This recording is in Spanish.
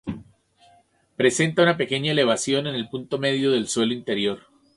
Presenta una pequeña elevación en el punto medio del suelo interior.